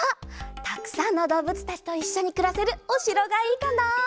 たくさんのどうぶつたちといっしょにくらせるおしろがいいかな。